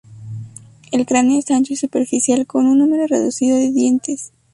El cráneo es ancho y superficial con un número reducido de dientes.